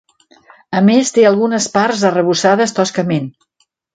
A més té algunes parts arrebossades toscament.